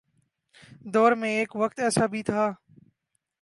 دور میں ایک وقت ایسا بھی تھا۔